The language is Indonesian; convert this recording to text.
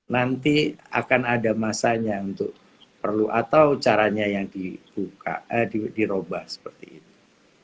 nanti akan ada masanya untuk perlu atau caranya yang di buka eh di roba seperti itu